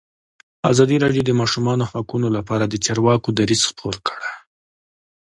ازادي راډیو د د ماشومانو حقونه لپاره د چارواکو دریځ خپور کړی.